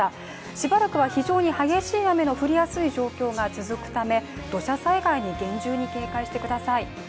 しばらくは非常に激しい雨の降りやすい状況が続くため土砂災害に厳重に警戒してください。